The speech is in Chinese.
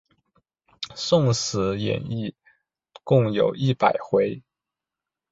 宋史演义共有一百回。